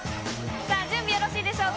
さあ、準備よろしいでしょうか。